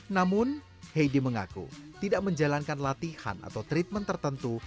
namun heidi mengaku tidak menjalankan latihan atau treatment tertentu